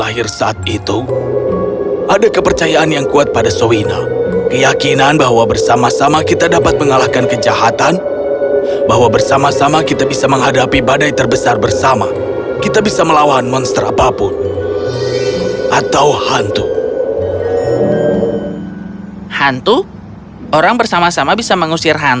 hantu orang bersama sama bisa mengusir hantu benarkah papa big